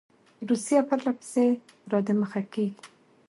روسیه پر له پسې را دمخه کیږي.